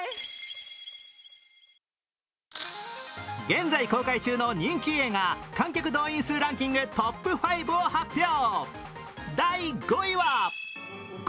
現在公開中の人気映画観客動員数ランキングトップ５を発表。